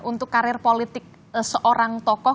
untuk karir politik seorang tokoh